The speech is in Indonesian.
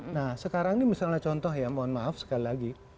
nah sekarang ini misalnya contoh ya mohon maaf sekali lagi